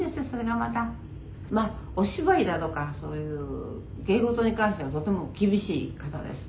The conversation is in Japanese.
「まあお芝居だとかそういう芸事に関してはとても厳しい方です」